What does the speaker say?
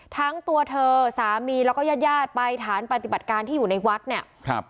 ทั้งตัวเธอสามีแล้วก็ญาติญาติไปฐานปฏิบัติการที่อยู่ในวัดเนี่ยครับ